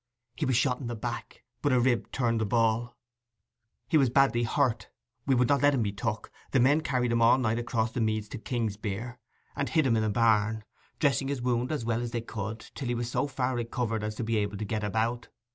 'He was shot in the back; but a rib turned the ball. He was badly hurt. We would not let him be took. The men carried him all night across the meads to Kingsbere, and hid him in a barn, dressing his wound as well as they could, till he was so far recovered as to be able to get about.